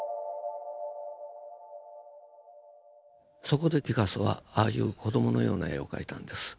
そこでピカソはああいう子供のような絵を描いたんです。